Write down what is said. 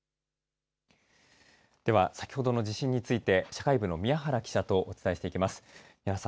では、先ほどの地震について社会部の宮原記者とお伝えしていきます。